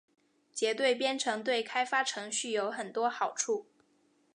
结对编程对开发程序有很多好处。